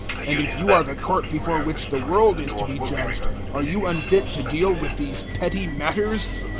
And if you are the court before which the world is to be judged, are you unfit to deal with these petty matters?